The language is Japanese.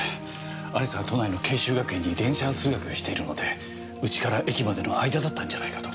亜里沙は都内の慶修学園に電車通学しているので家から駅までの間だったんじゃないかと。